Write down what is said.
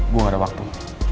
gue gak ada waktu